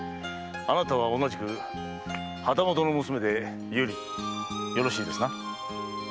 あなたは同じく旗本の娘で“百合”よろしいですな？